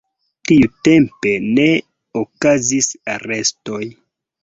Tiutempe ne okazis arestoj.